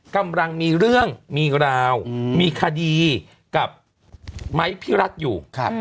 กำลังมีเรื่องมีราวมีคดีกับไม้พิรัตด์อยู่ครับ